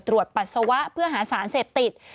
ปัสสาวะเพื่อหาสารเสพติด